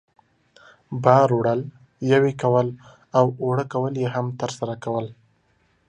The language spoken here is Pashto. بار وړل، یوې کول او اوړه کول یې هم ترسره کول.